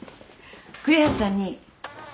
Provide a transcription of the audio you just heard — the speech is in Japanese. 栗橋さんに。